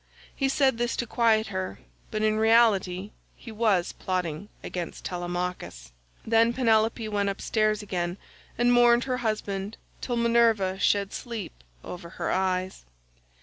He said this to quiet her, but in reality he was plotting against Telemachus. Then Penelope went upstairs again and mourned her husband till Minerva shed sleep over her eyes.